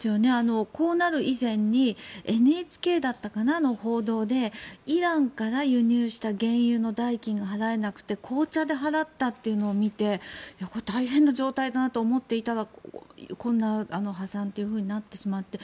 こうなる以前にＮＨＫだったかの報道でイランから輸入した原油の代金が払えなくて紅茶で払ったというのを見て大変な状態だなと思っていたらこんな破産というふうになってしまって。